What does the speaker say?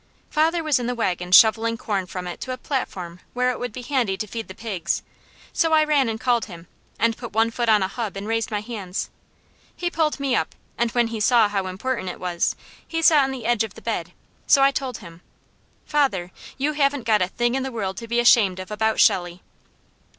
Father was in the wagon shovelling corn from it to a platform where it would be handy to feed the pigs, so I ran and called him, and put one foot on a hub and raised my hands. He pulled me up and when he saw how important it was, he sat on the edge of the bed, so I told him: "Father, you haven't got a thing in the world to be ashamed of about Shelley."